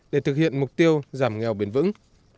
để thực hiện mục tiêu giảm nghèo bền vững